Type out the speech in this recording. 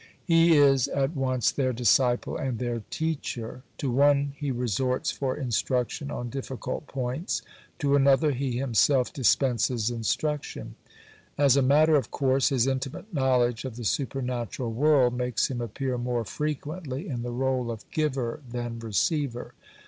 He is at once their disciple and their teacher. To one he resorts for instruction on difficult points, to another he himself dispenses instruction. As a matter of course, his intimate knowledge of the supernatural world makes him appear more frequently in the role of giver than receiver.